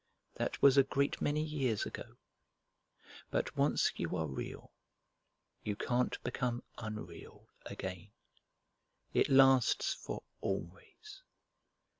"That was a great many years ago; but once you are Real you can't become unreal again. It lasts for always."